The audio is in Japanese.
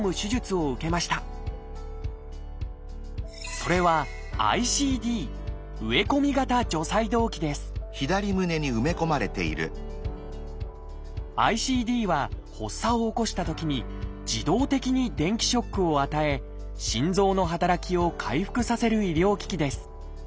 それは「ＩＣＤ」は発作を起こしたときに自動的に電気ショックを与え心臓の働きを回復させる医療機器です。